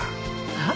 はっ？